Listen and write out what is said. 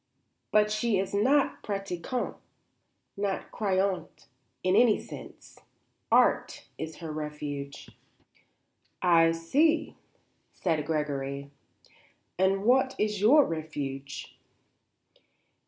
But she is not pratiquante; not croyante in any sense. Art is her refuge." "I see," said Gregory. "And what is your refuge?"